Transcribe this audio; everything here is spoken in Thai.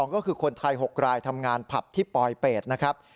ก็คือคนไทย๖รายทำงานผับที่ปลอยเป็ดนะครับ